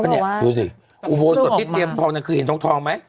นี่ดูสิอุโบสถที่เตรียมทองนั้นคือเห็นทองไหม